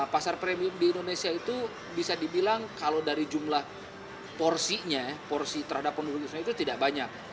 pasar premium di indonesia itu bisa dibilang kalau dari jumlah porsinya porsi terhadap penduduk indonesia itu tidak banyak